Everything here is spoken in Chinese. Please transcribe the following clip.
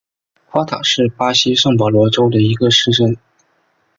夸塔是巴西圣保罗州的一个市镇。